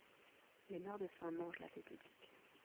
les meurt-de-faim mangent la paix publique.